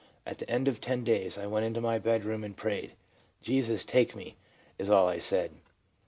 At the end of ten days I went into my bedroom and prayed. " Jesus, take me," is all I said.